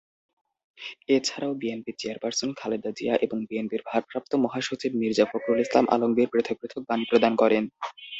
এ ছাড়াও BNP chairperson Khaleda Zia এবং বিএনপির ভারপ্রাপ্ত মহাসচিব মির্জা ফখরুল ইসলাম আলমগীর পৃথক পৃথক বাণী প্রদান করেন।